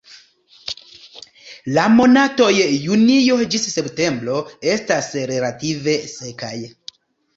La monatoj junio ĝis septembro estas relative sekaj.